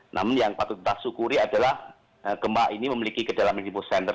namun yang patut kita syukuri adalah gembak ini memiliki kedalaman nipu sender satu ratus tujuh belas